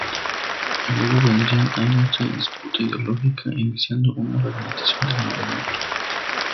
Luego vendrían años de disputa ideológica iniciando una fragmentación del movimiento izquierdista venezolano.